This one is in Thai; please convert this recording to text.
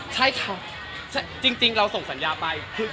ใช่ค่ะจริงเราส่งสัญญาไป